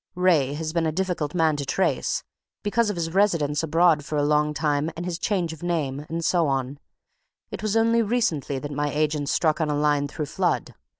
Wraye has been a difficult man to trace, because of his residence abroad for a long time and his change of name, and so on, and it was only recently that my agents struck on a line through Flood.